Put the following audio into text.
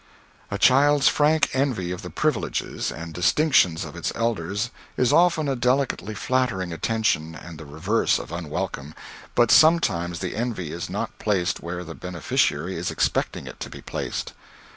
A child's frank envy of the privileges and distinctions of its elders is often a delicately flattering attention and the reverse of unwelcome, but sometimes the envy is not placed where the beneficiary is expecting it to be placed.